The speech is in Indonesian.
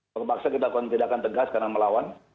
berpaksa kita tidak tegas karena melawan